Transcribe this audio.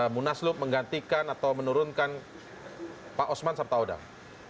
munaslup menggantikan atau menurunkan pak osman sabtaodang